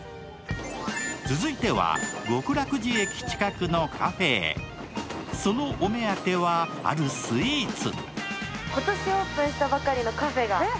続いては、極楽寺駅近くのカフェへそのお目当ては、あるスイーツ。